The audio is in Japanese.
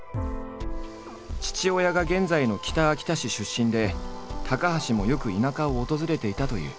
父親が現在の北秋田市出身で高橋もよく田舎を訪れていたという。